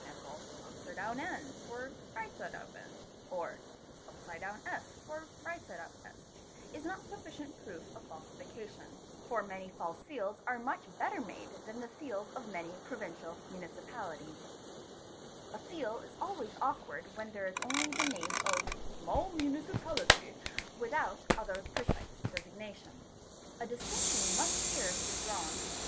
N for N, or S for S, is not sufficient proof of falsification "'8* "8®), for many false seals are much better made than the seals of many provincial municipalities. A seal is always awkward when there is only the name of small Munici pality without other precise designation. A distinction must here be drawn.